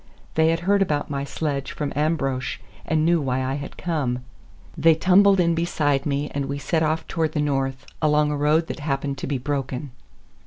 They had heard about my sledge from Ambrosch and knew why I had come. They tumbled in beside me and we set off toward the north, along a road that happened to be broken.